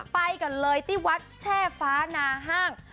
ไปกันเลยที่วัดแช่ฟ้านาห้าง